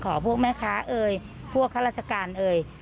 พวกแม่ค้าเอ่ยพวกข้าราชการเอ่ย